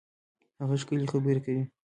هغه ښکلي خبري کوي.